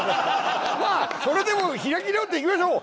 まあそれでも開き直っていきましょう！